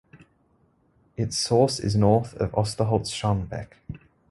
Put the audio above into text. Its source is north of Osterholz-Scharmbeck.